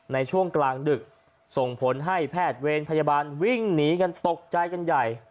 ในช่วงกลางดึกส่งผลให้แพทย์เวรพยาบาลวิ่งหนีกันตกใจกันใหญ่